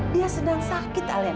dia sedang sakit alena